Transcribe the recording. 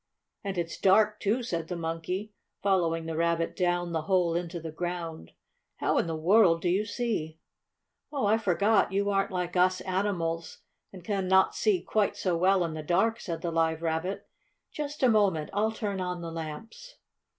"And it's dark, too," said the Monkey, following the Rabbit down the hole into the ground. "How in the world do you see?" "Oh, I forgot you aren't like us animals, and can not see quite so well in the dark," said the Live Rabbit. "Just a moment, I'll turn on the lamps."